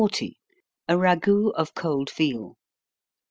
_A Ragout of Cold Veal.